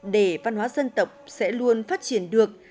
để văn hóa dân tộc sẽ luôn phát triển được